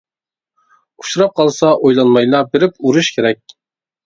ئۇچراپ قالسا ئويلانمايلا بېرىپ ئۇرۇش كېرەك.